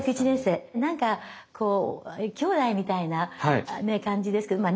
何かきょうだいみたいな感じですけどまあ